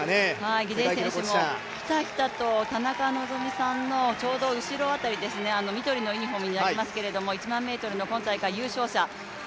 ギデイ選手もひたひたと田中希実さんのちょうど後ろ辺り、緑のユニフォームになりますけど１００００ｍの今大会の優勝者。